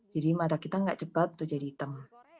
jadi mata kita nggak cepat tuh jadi hitam